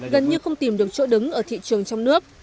gần như không tìm được chỗ đứng ở thị trường trong nước